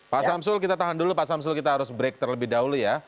pak samsul kita tahan dulu pak samsul kita harus break terlebih dahulu ya